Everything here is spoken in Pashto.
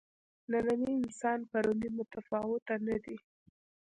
نننی انسان پروني متفاوته نه دي.